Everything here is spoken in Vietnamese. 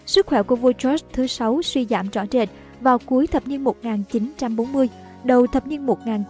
sức khỏe của vua george vi suy giảm rõ rệt vào cuối thập niên một nghìn chín trăm bốn mươi đầu thập niên một nghìn chín trăm năm mươi